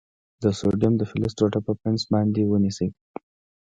د سوډیم د فلز ټوټه په پنس باندې ونیسئ.